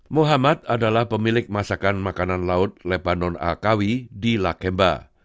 muhammad adalah pemilik masakan makanan laut lebanon akawi di lakemba